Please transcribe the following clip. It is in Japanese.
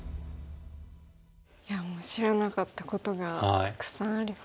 いやもう知らなかったことがたくさんありました。